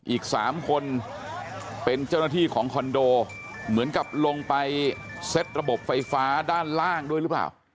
อีก๓คนเป็นเจ้าหน้าที่ของคอนโดเหมือนกับลงไปเซ็ตระบบไฟฟ้าด้านล่างด้วยหรือเปล่า